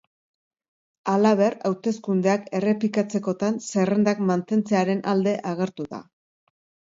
Halaber, hauteskundeak errepikatzekotan zerrendak mantentzearen alde agertu da.